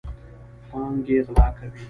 پانګې غلا کوي.